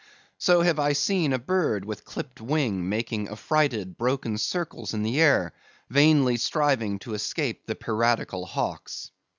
So have I seen a bird with clipped wing making affrighted broken circles in the air, vainly striving to escape the piratical hawks.